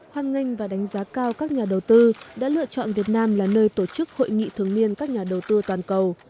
hoan nghênh và đánh giá cao các nhà đầu tư đã lựa chọn việt nam là nơi tổ chức hội nghị thường niên các nhà đầu tư toàn cầu